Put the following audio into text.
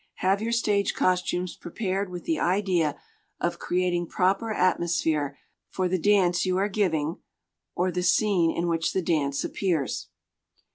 Have your stage costumes prepared with the idea of creating proper atmosphere for the dance you are giving or the scene in which the dance appears.